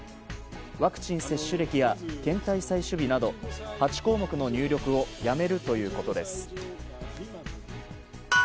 ワクチン接種歴や検体採取日など８項目の入力をやめるということです。